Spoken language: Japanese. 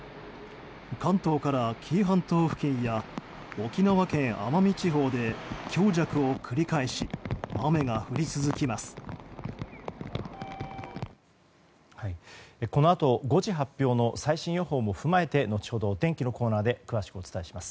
関東から紀伊半島付近や沖縄県奄美地方で強弱を繰り返し雨が降り続きます。